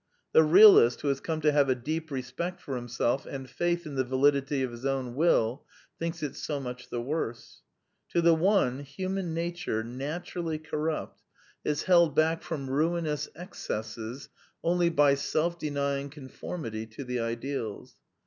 The realist, who has come to have a deep respect for himself and faith in the validity of his own will, thinks it so much the worse. To the one, human nature, naturally corrupt, is held back from 32 The Quintessence of Ibsenism ruinous excesses only by self denying conformity to the ideals.